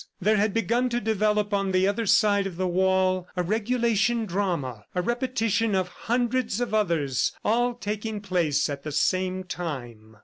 There had begun to develop on the other side of the wall a regulation drama a repetition of hundreds of others, all taking place at the same time.